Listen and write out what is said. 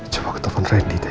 coba ketelpon randy deh